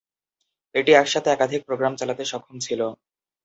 এটি এক সাথে একাধিক প্রোগ্রাম চালাতে সক্ষম ছিলো।